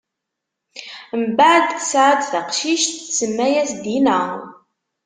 Mbeɛd, tesɛa-d taqcict, tsemma-yas Dina.